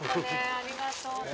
ありがとうって。